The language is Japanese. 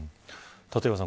立岩さん